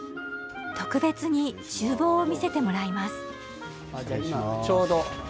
特別に厨房を見せてもらいます。